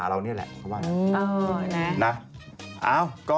อยู่เคียงค้างเสมอ